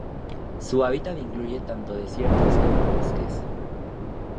Su hábitat incluye tanto desiertos como bosques.